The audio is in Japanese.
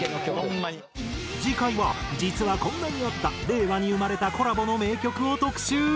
次回は実はこんなにあった令和に生まれたコラボの名曲を特集。